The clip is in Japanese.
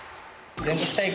全国大会？